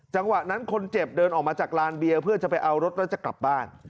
จังหวะนั้นคนเจ็บเดินออกมาจากลานเบียร์เพื่อจะไปเอารถแล้วจะกลับบ้าน